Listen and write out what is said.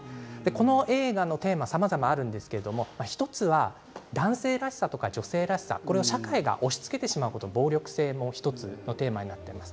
この映画のテーマはさまざまあるんですが、１つは男性らしさとか女性らしさそれを社会が押しつけてしまうことの暴力性も１つのテーマになっています。